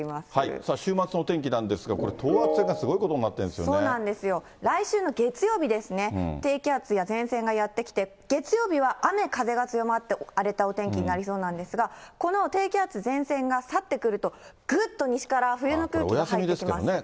さあ週末のお天気なんですが、等圧線がすごいことになっているそうなんですよ、来週の月曜日ですね、低気圧や前線がやって来て、月曜日は雨風が強まって、荒れたお天気になりそうなんですが、この低気圧、前線が去ってくると、ぐっと西から冬の空気が入ってきて。